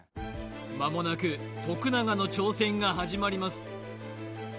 間もなく徳永の挑戦が始まります